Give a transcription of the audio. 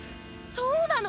そうなの？